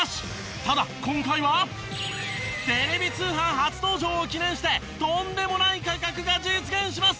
ただ今回はテレビ通販初登場を記念してとんでもない価格が実現します。